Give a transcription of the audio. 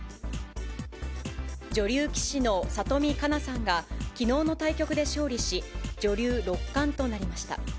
女流棋士の里見香奈さんが、きのうの対局で勝利し、女流六冠となりました。